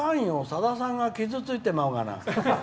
さださんが傷ついてまうがな。